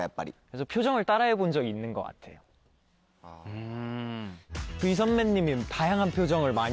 うん。